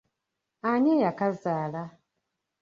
Ani ey’akazaala?